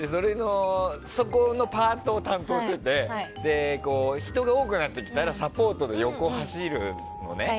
そこのパートを担当してて人が多くなってきたらサポートで横を走るのね。